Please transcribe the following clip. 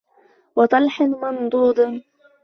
وَطَلْحٍ مَنْضُودٍ